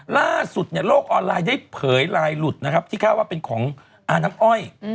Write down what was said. ล่าสุดเนี่ยโลกออนไลน์ได้เผยลายหลุดนะครับที่คาดว่าเป็นของอาน้ำอ้อย